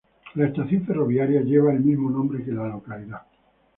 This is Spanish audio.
La estación ferroviaria lleva el mismo nombre que la localidad.